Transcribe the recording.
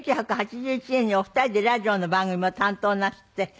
１９８１年にお二人でラジオの番組を担当なすって。